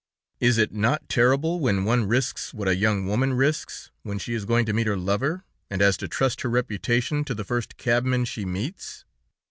Is it not terrible when one risks what a young woman risks when she is going to meet her lover, and has to trust her reputation to the first cabman she meets?